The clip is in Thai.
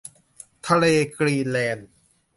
ทะเลกรีนแลนด์